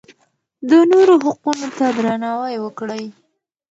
د نورو حقونو ته درناوی وکړئ.